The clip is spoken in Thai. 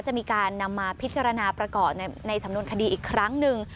จะมีการนำมาพิจารณาประกอบในสำนวนคดีอีกครั้งหนึ่ง